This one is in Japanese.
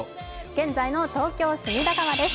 現在の東京・隅田川です。